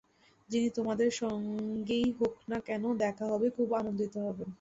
তিনিও তোমাদের যার সঙ্গেই হোক না কেন, দেখা হলে খুব আনন্দিত হবেন।